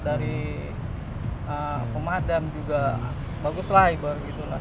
dari pemadam juga bagus lah ibaratnya